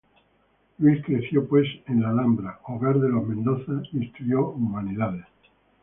Luis creció pues en la Alhambra, hogar de los Mendoza, y estudió humanidades.